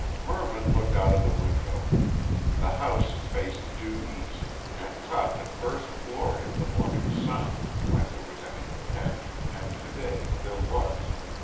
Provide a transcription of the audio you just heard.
Mervyn looked out of the window; the house faced due east and caught the first glory of the morning sun when there was any to catch, and to day there was.